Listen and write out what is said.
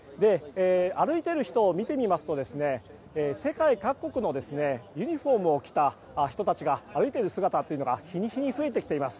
歩いている人を見てみますと世界各国のユニホームを着た人たちが歩いている姿というのが日に日に増えてきています。